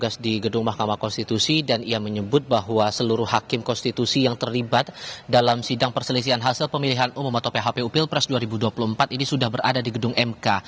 seluruh hakim konstitusi yang terlibat dalam sidang perselisihan hasil pemilihan umum atau phpu pilpres dua ribu dua puluh empat ini sudah berada di gedung mk